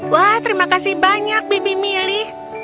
wah terima kasih banyak bibi milih